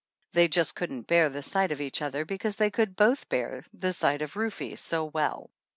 They just couldn't bear the sight of each other because they could both bear the sight of Rufe so well.